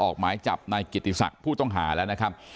ออกหมายจับนายกิติศักดิ์ผู้ต้องหาแล้วนะครับ